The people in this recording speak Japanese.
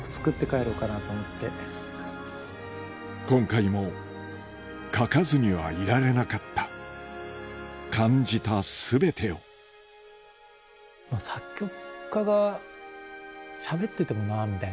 今回も書かずにはいられなかった感じた全てを作曲家がしゃべっててもなぁみたいな。